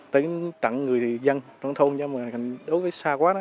tính tặng người dân trong thôn cho mà đối với xa quá